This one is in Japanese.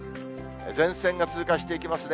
前線が通過していきますね。